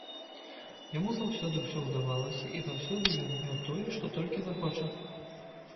Яму заўсёды ўсё ўдавалася, і заўсёды ён меў тое, што толькі захоча.